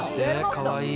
かわいい！